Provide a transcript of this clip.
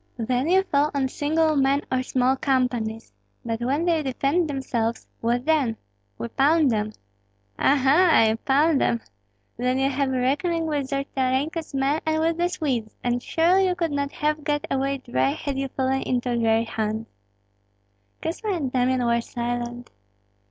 "Then you fall on single men or small companies; but when they defend themselves, what then?" "We pound them." "Ah, ha, you pound them! Then you have a reckoning with Zolotarenko's men and with the Swedes, and surely you could not have got away dry had you fallen into their hands." Kosma and Damian were silent.